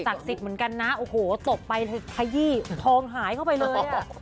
สิทธิ์เหมือนกันนะโอ้โหตบไปขยี้ทองหายเข้าไปเลย